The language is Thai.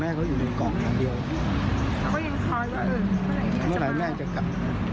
แม่เขาอยู่หนึ่งกล่องอย่างเดียวเขายังคอยว่าเมื่อไหร่แม่จะกลับ